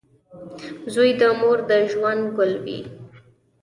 • زوی د مور د ژوند ګل وي.